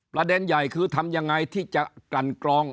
ประเด็นใหญ่คือทำยังไงที่จะกลั่นกรอง